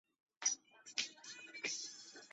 观测台是观测天文现象或是地貌的一个场所。